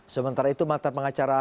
sementara itu mata pengacara